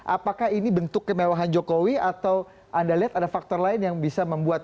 apakah ini bentuk kemewahan jokowi atau anda lihat ada faktor lain yang bisa membuat